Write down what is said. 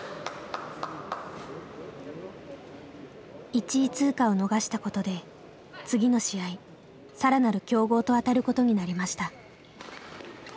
１位通過を逃したことで次の試合更なる強豪と当たることになりました。